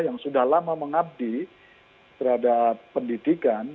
yang sudah lama mengabdi terhadap pendidikan